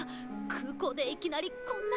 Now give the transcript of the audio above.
空港でいきなりこんな。